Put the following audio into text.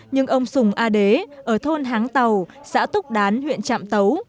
nhưng ông sùng a đế ở thôn háng tàu xã túc đán huyện trạm tấu